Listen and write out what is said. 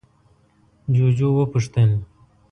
جُوجُو وپوښتل: